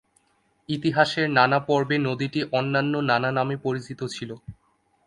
ইতিহাসের নানা পর্বে নদীটি অন্যান্য নানা নামে পরিচিত ছিল।